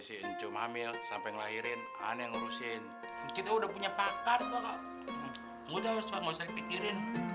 siuncum hamil sampai ngelahirin aneh ngurusin kita udah punya pakar udah usah ngusik pikirin